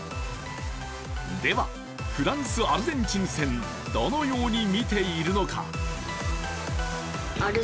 では、フランス×アルゼンチン戦どのように見ているのか。